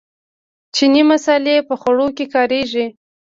چیني مسالې په خوړو کې کاریږي.